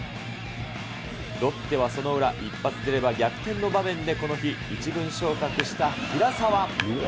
ロッテはその裏、一発出れば逆転の場面で、この日、１軍昇格した平沢。